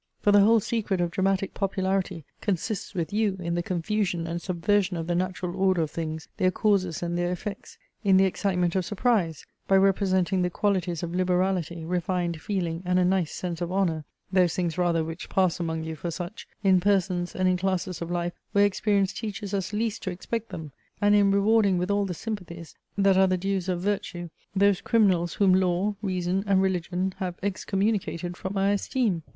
For the whole secret of dramatic popularity consists with you in the confusion and subversion of the natural order of things, their causes and their effects; in the excitement of surprise, by representing the qualities of liberality, refined feeling, and a nice sense of honour, (those things rather which pass among you for such), in persons and in classes of life where experience teaches us least to expect them; and in rewarding with all the sympathies, that are the dues of virtue, those criminals whom law, reason, and religion have excommunicated from our esteem!